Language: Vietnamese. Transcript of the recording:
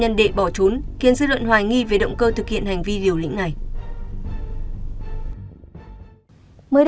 các bạn có thể nhớ like share và đăng ký kênh để ủng hộ kênh của chúng mình nhé